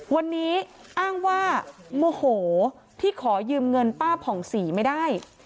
วันนี้อ้างว่าโมโหที่ขอยืมเงินป้าผ่องศรีไม่ได้